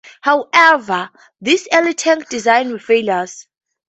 However, these early tank designs were failures.